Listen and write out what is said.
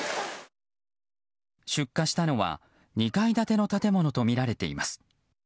出火したのは２階建ての建物とみられています。